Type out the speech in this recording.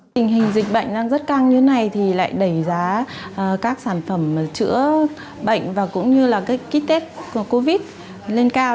tình hình dịch bệnh đang rất căng như thế này thì lại đẩy giá các sản phẩm chữa bệnh và cũng như là ký tết covid lên cao